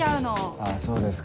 あぁそうですか。